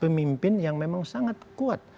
pemimpin yang memang sangat kuat